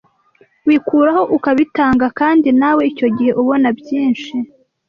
wikuraho ukabitanga kandi nawe icyo gihe ubona byinshi,